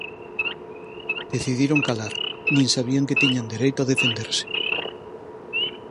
Decidiron calar, nin sabían que tiñan dereito a defenderse.